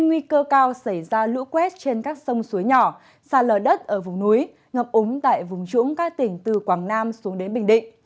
nguy cơ cao xảy ra lũ quét trên các sông suối nhỏ xa lờ đất ở vùng núi ngập úng tại vùng trũng các tỉnh từ quảng nam xuống đến bình định